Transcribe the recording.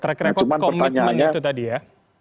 track record komitmen itu tadi ya